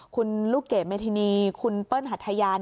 คุณลูกเกดเมธินีคุณเปิ้ลหัทยาน